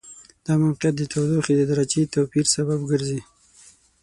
دا موقعیت د تودوخې د درجې توپیر سبب ګرځي.